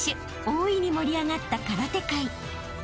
［大いに盛り上がった空手界］